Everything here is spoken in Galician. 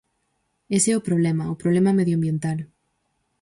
Ese é o problema, o problema medioambiental.